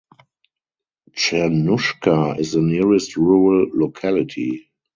Chernushka is the nearest rural locality.